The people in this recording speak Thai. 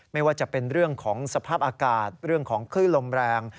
ไม่ว่าจะเป็นเรื่องของสภาพอากาศเรื่องของคลื่นลมแรง